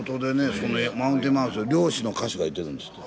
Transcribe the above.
その「マウンテンマウス」いう漁師の歌手がいてるんですって。